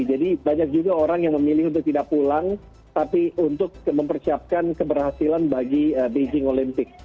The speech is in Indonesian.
jadi banyak juga orang yang memilih untuk tidak pulang tapi untuk mempersiapkan keberhasilan bagi beijing olympic